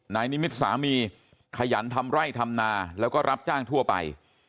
นายนิมิตรสามีขยันทำไร่ทำนาแล้วก็รับจ้างทั่วไป